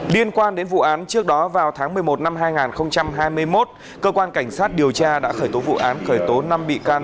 liên quan đến vụ án trước đó vào tháng một mươi một năm hai nghìn hai mươi một cơ quan cảnh sát điều tra đã khởi tố vụ án khởi tố năm bị can